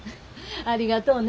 ありがとうね。